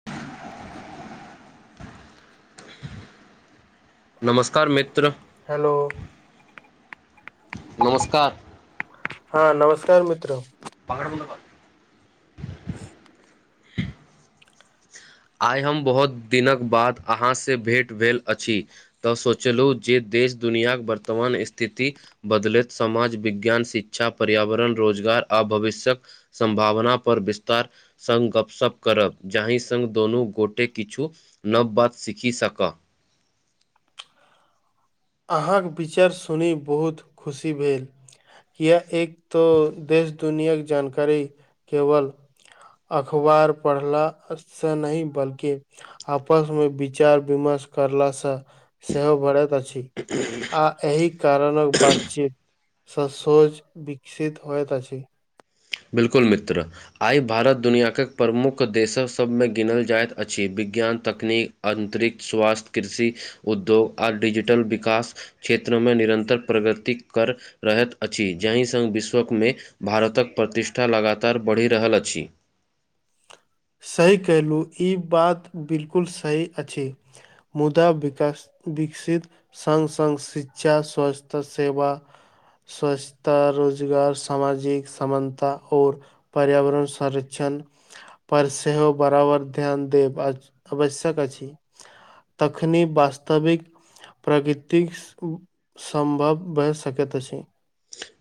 [inaudible] नमस्कार मित्र हेलो नमस्कार हँ नमस्कार मित्र बंगर बलाबाद [unintelligible] आइ हम बहुत दिनक बाद अहाँसँ भेँट भेल अछि तऽ सोचलु जे देश दुनिआके वर्तमान ईस्थिति बदलैत समाज विज्ञान शिक्षा पर्यावरण रोजगार आ भविष्यक संभावना पर विस्तार संग गपशप करब जाहिसँ सङ्ग दुनू गोटे किछु नव बात सीखि सक अहाँके विचार सुनी बहुत खुशी भेल किया एक तऽ देश आ दुनियक जानकारी केवल अखबार पढ़लासे नहि बल्कि आपसमे विचार विमर्श करलासँ सेहो बरत अछि ह [unintelligible] आ एहि कारणक बातचीत ससोज विकसित होइत अछि बिल्कुल मित्र आइ भारत दुनिआाकक प्रमुख देशसबमे गिनल जाइत अछि विज्ञान तकनी अन्तरिक्ष स्वास्थ्य कृषि उद्योग आ डिजिटल विकास क्षेत्रमे निरन्तर प्रगति कर रहैत अछि जाहि सङ्ग विश्वकमे भारतक प्रतिष्ठा लगातार बढ़ि रहल अछि सही कहलू ई बात बिल्कुल सही अछि मुदा विकास विकसित सङ्ग सङ्ग शिक्षा स्वास्थ्य सेवा स्वच्छता रोजगार सामाजिक समानता आओर पर्यावरण संरक्षण पर सेहो बराबर ध्यान देब आवश्यक अछि तखनी वास्तविक प्रगृति संभव भ सकैत अछी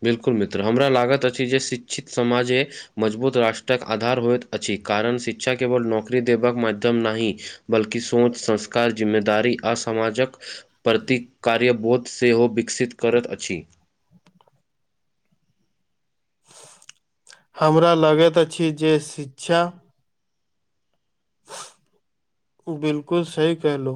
बिल्कुल मित्र हमरा लागत अछि जे शिक्षित समाजे मजबूत राष्ट्रक आधार होइत अछि कारण शिक्षा केवल नौकरी देबाक मध्यम नहि बल्कि सोच संस्कार जिम्मेदारी आसामाजक प्रति कार्यबोध सेहो विकसित करत अछि हमरा लागेत अछि जे शिक्षा ह [unintelligible] बिल्कुल सही केहलु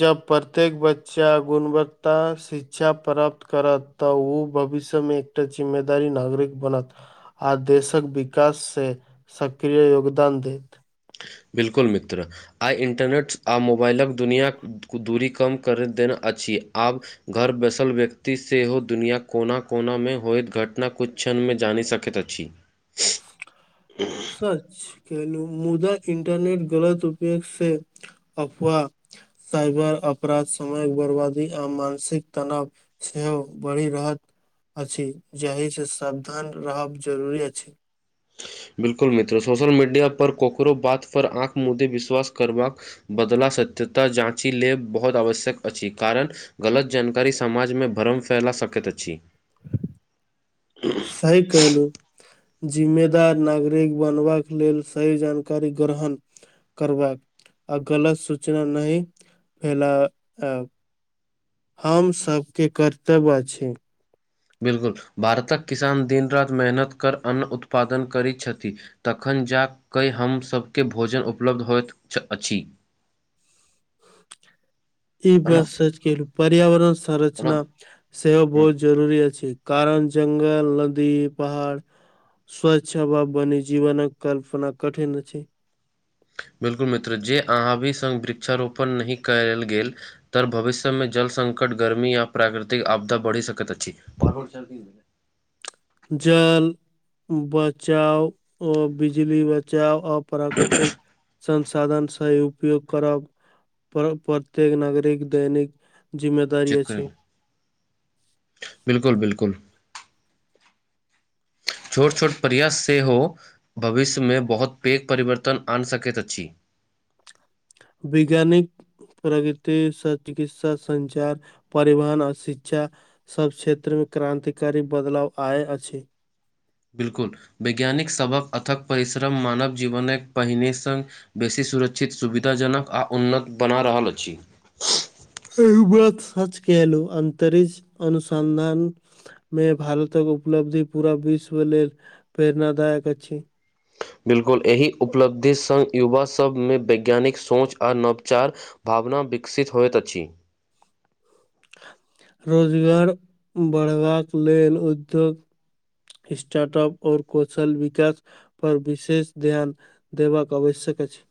जब प्रत्येक बच्चा गुणवत्ता शिच्छा प्राप्त करत। तऽ उ भविष्यमे एकटा जिम्मेदारी नागरिक बनत। आ देशक विकाससँ सक्रिय योगदान देत बिल्कुल मित्र आइ इन्टरनेट आ मोबाइलक दुनिआ दूरी कम कर देन अछि आब घर बसल व्यक्ति सेहो दुनिआँ कोना कोनामे होइत घटना कुछु क्षणमे जानि सकैत अछि सच केहलू मुदा इंटरनेट गलत उपयोग से अफवाह। साइबर अपराध समय बर्बादी आ मानसिक तनाव। सेहो बढ़ि रहत अछि जाहिसँ सावधान रहब जरुरी अछि। बिल्कुल मित्र सोशल मीडिया पर कोकरो बात पर आँख मुद्दे विश्वास करबाक। बदला सत्यता जाँची लेब बहुत आवश्यक अछि कारण। गलत जानकारी समाजमे भ्रम फैला सकैत अछि। सही कहलुॅं। जिम्मेदार नागरिक बनबाक लेल सही जानकारी गरहण। करबाक आ गलत सूचना नहि फैला एब हम सबके कर्तव अछि। बिल्कुल भारतक किसान दिन-रात मेहनत कर अन्न उत्पादन करि छथि। तखन जा कऽ हमसबके भोजन उपलब्ध होइत अछि। [inaudible] ई प्रणव बास सच कहलुॅं पर्यावरण प्रणव संरचना। सेहो हम्म, बहुत जरूरी अछि कारण जंगल, लदी, पहाड़। स्वच्छ हबा बनी जीवनक कल्पना कठिन अछी। बिल्कुल मित्र जे अहाँ भी संग वृक्षारोपण नहि कयाल गेल। तर भविष्य मे जलसंकट गर्मी या प्राकृतिक आपदा बढ़ी सकैत अछि। जल बचाउ ओ बिजली बचाउ अप प्राकृतिक संसाधन सेही उपयोग करब। पर प्रत्येक नागरिक दैनिक जिम्मेदारी अछि। बिल्कुल-बिल्कुल। छोट-छोट प्रयास सेहो। भविष्यमे बहुत पेघ परिवर्तन आनि सकैत अछि। बिज्ञानिक। प्रकृति स चिकित्सा सञ्चार परिवहन आ शिच्छा। सब क्षेत्रमे क्रान्तिकारी बदलाव आय अछि। बिल्कुल वैज्ञानिक सबक अथक परिश्रम मानव जीवनक पहिने सन बेसी सुरच्छित सुविधाजनक आ उन्नत बना रहल अछि। इह बात सच कहलु अन्तरिच्छ अनुसन्धान। मे भारतक उपलब्धि पूरा विश्व लेल प्रेरणादायक अछि। बिल्कुल एहि उपलब्धि संग युवा सबमे वैज्ञानिक सोच आ नवचार। भावना विकसित होयत अछि। रोजगार बड़बाक लेल उद्योग। स्टार्ट-अप आओर कौशल विकास। पर विशेष ध्यान देवाक आवश्यक अछि।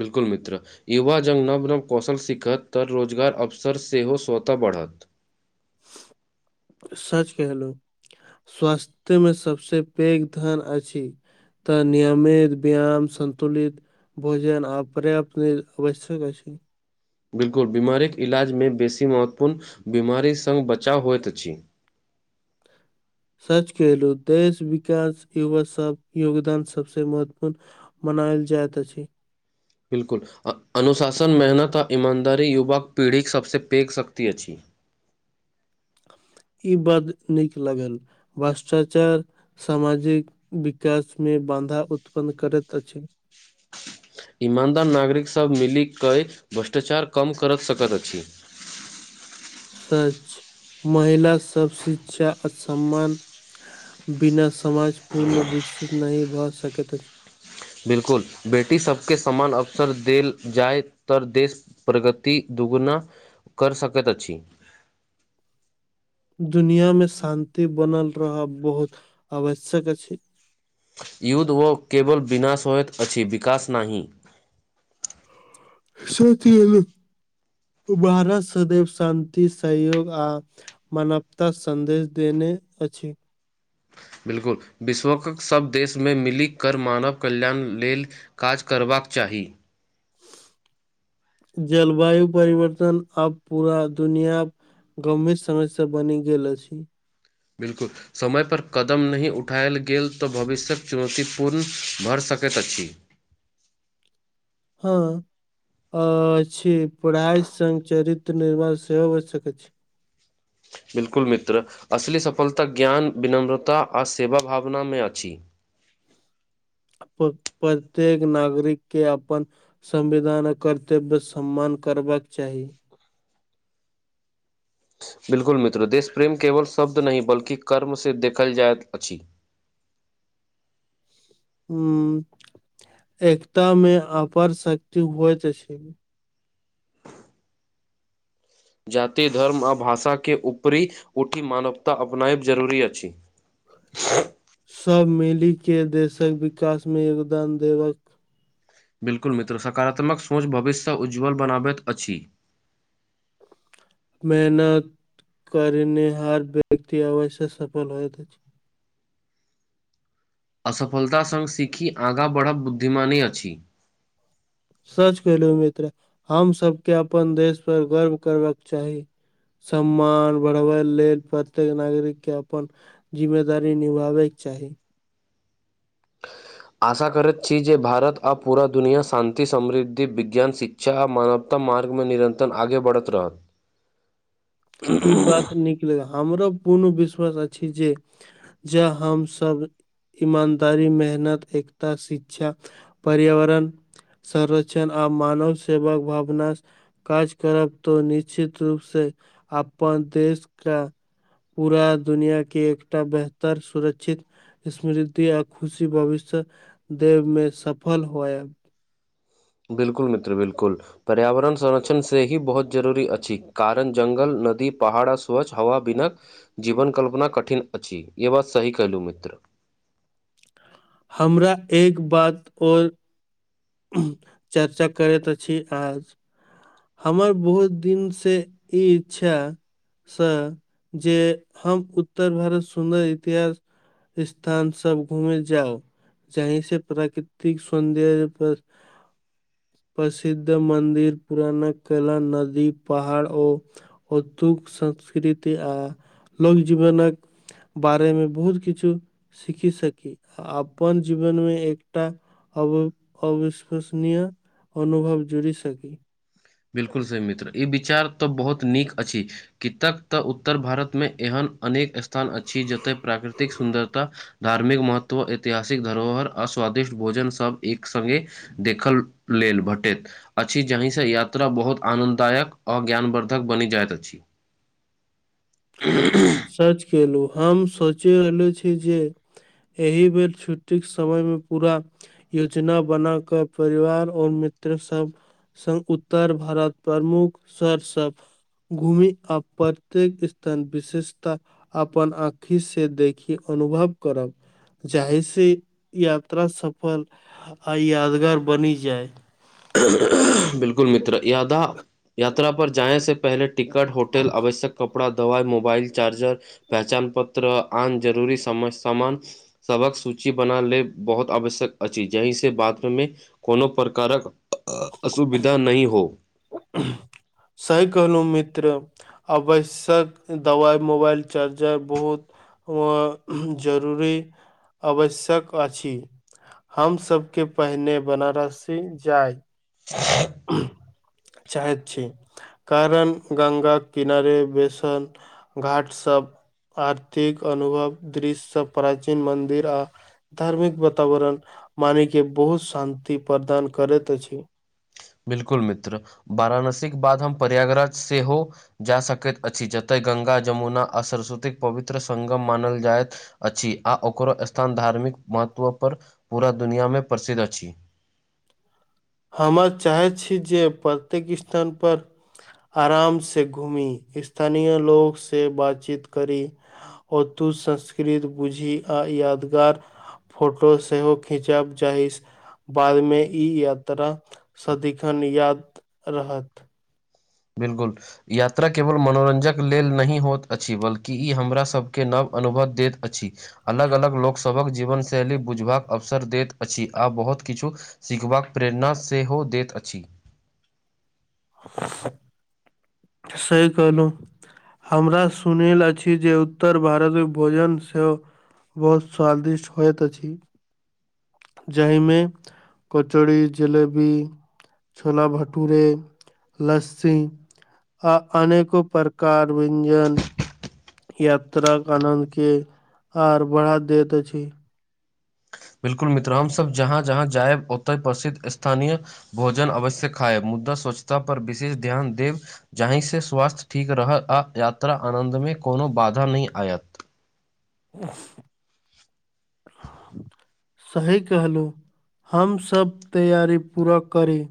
बिल्कुल मित्र। युवा जव नव-नव कौशल सीखत तऽ रोजगार अवसर सेहो स्वतः बढ़त। सच केहलुॅं। स्वास्तय मे सबसे पैघ धन अछि। तऽ नियमित व्याम सन्तुलित। भोजन आ पर्याप्त लेल आवश्यक अछि। बिल्कुल बीमारीक इलाजमे बेसी महत्वपूर्ण बीमारी सङ्ग बचाव होइत अछि। सच कहलू देश विकास युवा सब योगदान सबसे महत्वपूर्ण, मनायल जाइत अछि। बिल्कुल अनुशासन मेहनत आ ईमानदारी युवाक पीढ़ीक सबसे पेघ शक्त अछि ई बात नीक लगल भर्ष्टाचार सामाजिक विकास मे बधा उत्पन्न करैत अछि ईमानदार नागरिकसभ मिलिक कऽ भ्रष्टाचार कम करैत सकैत अछि सच महिला सभ शिक्षा आ सम्मान बिना समाज पूर्ण विकसित नहि भऽ सकैत अछि बिलकुल बेटी सबके समान अवसर देल जाय तऽ देश प्रगति दुगुना कर सकैत अछि दुनिया मे शान्ति बनल रह बहुत आवश्यक अछि युद्ध ओ केबल बिना सयत अछि विकासश नाहि [unintelligible] उ भारत सदैव शान्ति सहयोग आ मानवता सन्देश देने अछि बिलकुल विश्वक सब देशमे मिली कर मानव कल्याण लेल काज करबाक चाही जलवायु परिवर्तन अब पूरा दुनिया गम्भीर समय से बनी गेल अछि बिल्कुल समयपर कदम नहि उठाायल गेल तऽ भविष्यके चुनौतीपूर्ण भऽ सकैत अछि हँ पढ़ाई सग चरित्र निर्माण सेहो हो सकैत अछि बिल्कुल मित्र असली सफलता ज्ञान विनम्रता आ सेवा भावना में अछि प्रत्येक नागरिक के अपन संविधानक कर्तव्य सम्मान करबाक चाही बिल्कुल मित्र देश प्रेम केवल शब्द नहि कर्म से देखल जाइत अछि ह एकता मे अपार शक्ति होइत अछि जाति धर्म आ भाषाके ऊपरी उठि मानवता अपनायब जरूरी अछि सब मिली के देशक विकास मे योगदान देबाका बिल्कुल मित्र सकारात्मक सोच भविष्यसँ उज्ज्वल बनाबैत अछि मेहनत करने हर व्यक्ति अवश्य सफल होएत अछि असफलत सङ्ग सीखी आगाँ बढ़ब बुद्धिमानि अछि सच केलहुँ मित्र हम सबके अपन देश पर गर्व करबाक चाही सम्मान बढ़बै लेल प्रत्येक नागरिक के अपन जिम्मेदारी निभाबे के चाही आशा करैत छी जे भारत आ पूरा दुनिया शान्ति समृद्धि विज्ञान शिक्ष छै आ मानवता मार्गमे निरन्तर आगे बढ़त रहत ई बात नीक ल हमरा पूर्ण विश्वास अछि जे जा हमसभ ईमानदारी मेहनत एकता शिक्षा पर्यावरण संरक्षण आ मानव सेवक भावना काज करब तऽ निश्चित रूप से अपन देश कऽ पूरा दुनिया के एकटा बेहतर सुरक्षित स्मृति आ खुशी भविष्य दे में सफल होयल बिल्कुल मित्र बिल्कुल पर्यावरण संरक्षण से ही बहुत जरूरी अछि कारण जङ्ंगल नदी पहाड़ आ स्वच्छ हवा बिना जीवन कल्पना कठिन अछि ये बात सही कलहुँ मित्र हमरा एक बात आओर चर्चा करैत अछि आज हमर बहुत दिनसँ ई इच्छा सँ जे हम उत्तर भारत सुन्दर इतिहास स्थान सब घूमे जाउ जहि से प्राकृतिक सौन्दर्य पर प्रसिद्ध मन्दिर पुराना कला नदी पहाड़ ओ उद्योग संस्कृति आ लोक जीवनकक बारेमे बहुत किछु सीखी सकी आ अपन जीवनमे एकटा अव-अविश्वसनीय अनुभव जोड़ी सकी बिल्कुल सही मित्र ई विचार तऽ बहुत नीक अछि कितक तऽ उत्तर भारतमे एहन अनेक स्थान अछि जतय प्राकृतिक सुन्दरता धार्मिक महत्व ऐतिहासिक धरोहर अस्वादिष्ट भोजन सब एक संगे देखल लेल भेटैत अछि जहिसँ या- त्रा-बहुत आनन्ददायक आ ज्ञानवर्द्धक बनि जाइत अछि [unintelligible] सच केलहुँ हम सोचे रहललो छी जे एहि बेर छुट्टी के समयमे पूरा योजना बना कऽ परिवार आओर मित्र सब संग उत्तर भारत प्रमुख शहर सब घूमि आ प्रत्येक स्थान विशिष्ट ता अपन आखि से देखी अनुभव करब जाहिे से यात्रा सफल आ यादगार बनि जाय [unintelligible] बिल्कुल मित्र यादा यात्रा पर जाय से पहिले टिकट होटल आवश्यक कपड़ा दवा मोबाइल चार्जर पहचान पत्र आन जरूरी समय सामान सभक सूची बना लेले बहुत आवश्यक अछि जहिसँ बादमे कोनो प्रकारक असुविधा नहि हो सही कहलहुँ मित्र आवश्यक दबाइ मोबाइल चार्जर बहुत अ जरूरी आवश्यक अछि हमसभके पहिने बनारसी जाइ चाहैत छी कारण गंगा क किनारे बेसन घाटसभ आर्थिक अनुभव दृश्यसँ प्राचीन मन्दिर आ धार्मिक वातावरण मानी के बहुत शान्ति प्रदान करैत अछि बिल्कुल मित्र वाराणसीक के बाद हम प्रयागराज सेहो जा सकैत अछि जतय गंगा जमुना आ सरस्वतीक पवित्र संगम मानल जाइत अछि आ ओकरो स्थान धार्मिक महत्व पर पूरा दुनिया मे प्रसिद्ध अछि हमर चाहैत छी जे प्रत्येक स्थानपर आराम से घूमी स्थानीय लोग से बातचीत करी ओ दू संस्कृत बुझी आ यादगार फोटो सेहो खीचब चाही बादमे ई या- -त्रा सदिखन याद रहत बिल्कुल यात्रा केवल मनोरञ्जक लेल नहि होइत अछि बल्कि ई हमरासके नव अनुभव दैत अछि अलग अलग लोकसभक जीवन शैली बुझबाक अवसर दैत अछि आ बहुत किछु सीखबाक प्रेरणा सेहो दैत अछि [inaudible] सही कहलू हमरा सुनिला अछि जे उत्तर भारतक भोजन सँ बहुत स्वादिष्ट होइत अछि जाहिमे कचड़ी जिलेबी छोला भटूरे लस्सी आ अनेको प्रकार व्यञ्जन यात्रा आनद के आर बढ़ा दैत अछि बिल्कुल मित्र हम सब जहाँ जहाँ जायब ओतय प्रसिद्ध स्थानीय भोजन अवश्य खाए मुद्दा स्वच्छता पर विशेष ध्यान देब जाहिसँ स्वास्थ्य ठीक रहत आ यात्रा आनन्दमे कोनो बाधा नहि आयत उ [unintelligible] सही कहलहुँ हमसँभ तैयारी पूरा करी